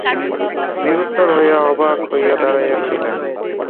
নিরুত্তর হইয়া অবাক হইয়া দাঁড়াইয়া রহিলেন।